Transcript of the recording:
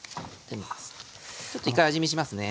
ちょっと一回味見しますね。